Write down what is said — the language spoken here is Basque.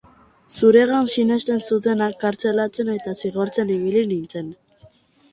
Zuregan sinesten zutenak kartzelatzen eta zigortzen ibili nintzen.